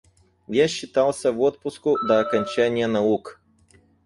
Я считался в отпуску до окончания наук.